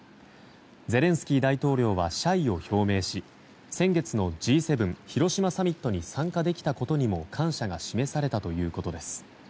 ゼレンスキー大統領は謝意を表明し先月のＧ７広島サミットに参加できたことにも感謝が示されたということです。